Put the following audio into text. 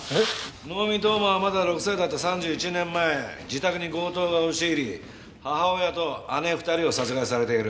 能見冬馬はまだ６歳だった３１年前自宅に強盗が押し入り母親と姉２人を殺害されている。